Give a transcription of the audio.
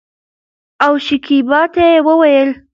او شکيبا ته يې وويل